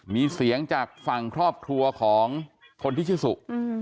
มีเสียงจากฝั่งครอบครัวของคนที่ชื่อสุ